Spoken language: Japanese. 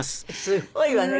すごいわね。